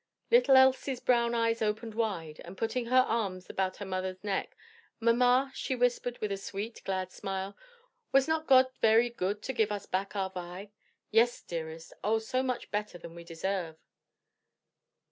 Little Elsie's brown eyes opened wide, and putting her arm about her mother's neck, "Mamma," she whispered, with a sweet, glad smile, "was not God very good to give us back our Vi?" "Yes, dearest, oh, so much better than we deserve!"